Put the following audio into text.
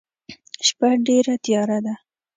شپه ډيره تیاره ده.